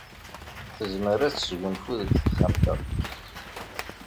Tezmer ad tesgunfu deg texxamt-a.